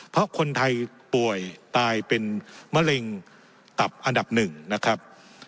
เพราะคนไทยป่วยตายเป็นมะเร็งตับอันดับหนึ่งนะครับ